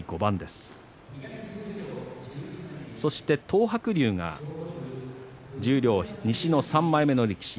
東白龍が十両西の３枚目の力士